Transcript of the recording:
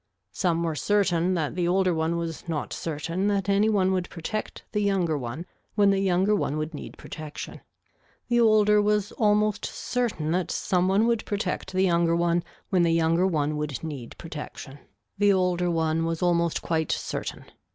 Some were certain that the older one was not certain that any one would protect the younger one when the younger one would need protection. The older was almost certain that some one would protect the younger one when the younger one would need protection. The older one was almost quite certain.